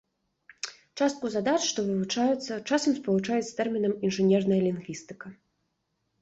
Частку задач, што вывучаюцца, часам спалучаюць з тэрмінам інжынерная лінгвістыка.